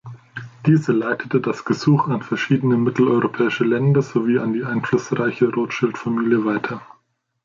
Diese leitete das Gesuch an verschiedene mitteleuropäische Länder sowie an die einflussreiche Rothschild-Familie weiter.